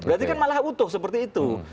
berarti kan malah utuh seperti itu